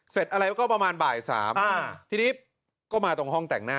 เสร็จอะไรก็ประมาณบ่ายสามอ่าทีนี้ก็มาตรงห้องแต่งหน้า